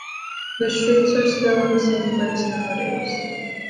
The streets are still in the same place nowadays.